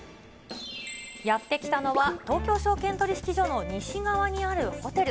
やって来たのは、東京証券取引所の西側にあるホテル。